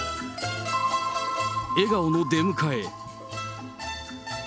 笑顔の出迎え。